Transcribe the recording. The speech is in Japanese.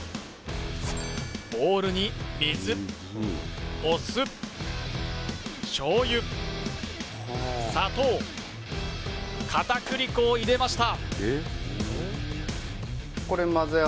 ボウルに水お酢醤油砂糖片栗粉を入れました